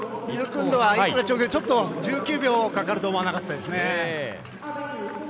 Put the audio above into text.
ビクルンドは１９秒かかると思わなかったです。